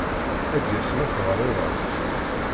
Ad d-yas ma teɣriḍ-as.